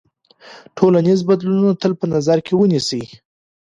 ټولنیز بدلونونه تل په نظر کې ونیسئ.